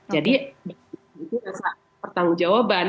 jadi itu rasa pertanggung jawaban